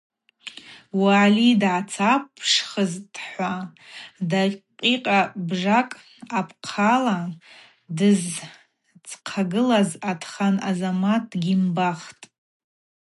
Уали дгӏацапшхызтӏхӏва дакъикъабжакӏ апхъала дыздзхъагылаз Атхан Азамат дгьимбахтӏ.